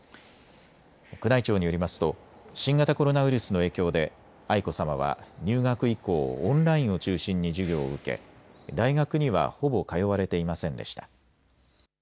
宮内庁によりますと新型コロナウイルスの影響で愛子さまは入学以降、オンラインを中心に授業を受け大学にはほぼ通われていませんでした。